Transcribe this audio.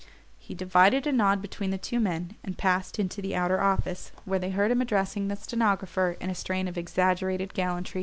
He divided a nod between the two men, and passed into the outer office, where they heard him addressing the stenographer in a strain of exaggerated gallantry.